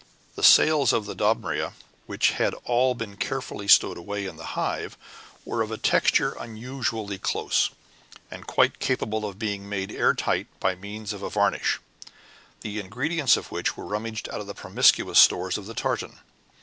The sails of the Dobryna, which had all been carefully stowed away in the Hive, were of a texture unusually close, and quite capable of being made airtight by means of a varnish, the ingredients of which were rummaged out of the promiscuous stores of the tartan.